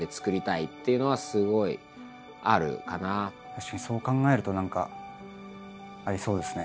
確かにそう考えると何かありそうですね